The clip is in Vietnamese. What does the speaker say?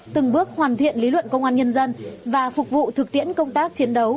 từng bước hoàn thiện lý luận công an nhân dân và phục vụ thực tiễn công tác chiến đấu